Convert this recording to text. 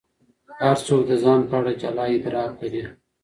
هر څوک د ځان په اړه جلا ادراک لري.